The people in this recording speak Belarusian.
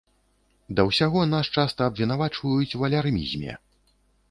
Да ўсяго нас часта абвінавачваюць у алярмізме.